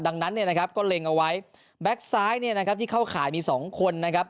ดังนั้นเนี่ยนะครับก็เล็งเอาไว้แบ็คซ้ายเนี่ยนะครับที่เข้าข่ายมีสองคนนะครับ